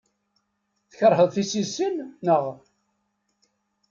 Tkeṛheḍ tissisin, naɣ?